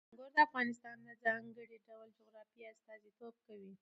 انګور د افغانستان د ځانګړي ډول جغرافیه استازیتوب کوي.